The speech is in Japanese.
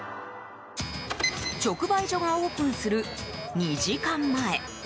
直売所がオープンする２時間前。